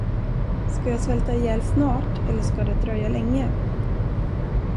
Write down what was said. Skall jag svälta ihjäl snart, eller ska det dröja länge?